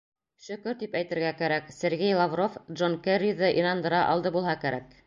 Шөкөр, тип әйтергә кәрәк, Сергей Лавров Джон Керриҙы инандыра алды булһа кәрәк.